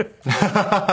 ハハハハ。